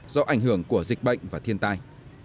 do ảnh hưởng của dịch bệnh và thiên tai